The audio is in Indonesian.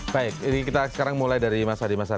baik ini kita sekarang mulai dari mas hadi